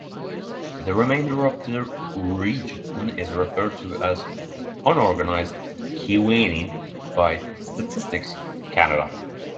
The remainder of the region is referred to as Unorganized Keewatin by Statistics Canada.